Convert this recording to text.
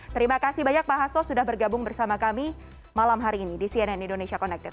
terima kasih banyak pak hasso sudah bergabung bersama kami malam hari ini di cnn indonesia connected